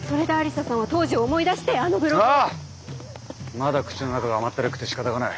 まだ口の中が甘ったるくてしかたがない。